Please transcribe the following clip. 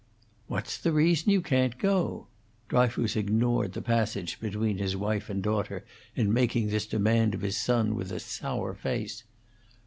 "What's the reason you can't go?" Dryfoos ignored the passage between his wife and daughter in making this demand of his son, with a sour face.